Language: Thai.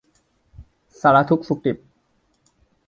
สารทุกข์สุกดิบ